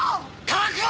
確保！